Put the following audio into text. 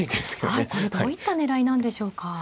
はいこれどういった狙いなんでしょうか。